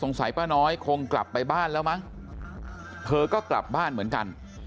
ป้าน้อยคงกลับไปบ้านแล้วมั้งเธอก็กลับบ้านเหมือนกัน